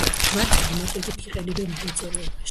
მათ წარმატებით იყენებენ მრეწველობაში.